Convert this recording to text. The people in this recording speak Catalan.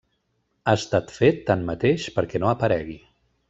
Ha estat fet tanmateix perquè no aparegui.